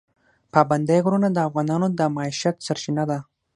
پابندی غرونه د افغانانو د معیشت سرچینه ده.